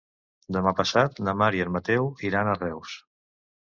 Demà passat na Mar i en Mateu iran a Reus.